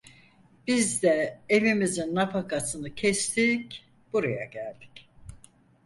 Biz de evimizin nafakasını kestik, buraya geldik.